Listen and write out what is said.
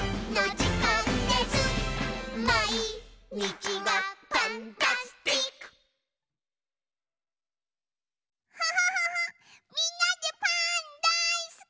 キャハハハみんなでパーンだいすき！